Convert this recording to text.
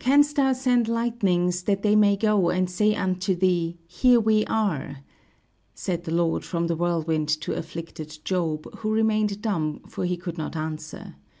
"Canst thou send lightnings that they may go and say unto thee: Here we are!" Said the Lord from the whirlwind to afflicted Job, who remained dumb for he could not answer.